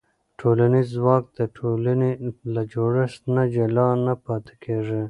ټولنیز ځواک د ټولنې له جوړښت نه جلا نه پاتې کېږي.